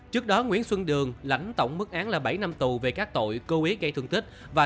trước đó nguyễn xuân đường lãnh tổng mức án là bảy năm tù về các tội